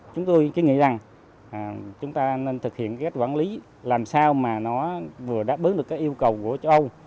chúng tôi nghĩ rằng chúng ta nên thực hiện cách quản lý làm sao mà nó vừa đáp ứng được yêu cầu của châu âu